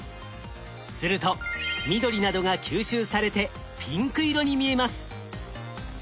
すると緑などが吸収されてピンク色に見えます。